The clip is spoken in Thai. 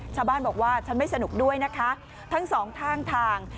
ชาวบ้านบอกว่าฉันไม่สนุกด้วยนะคะทั้งสองข้างทาง